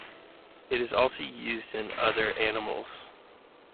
It is also used in other animals.